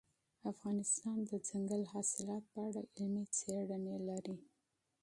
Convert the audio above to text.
افغانستان د دځنګل حاصلات په اړه علمي څېړنې لري.